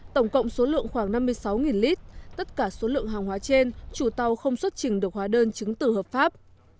tổng cộng số lượng khoảng năm mươi sáu lít tất cả số lượng hàng hóa trên chủ tàu không xuất trình được hóa đơn chứng tử hợp pháp